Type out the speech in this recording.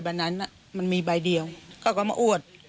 มันนายฟังนั้นอ่ะมันมีไปเดียวก็มาอด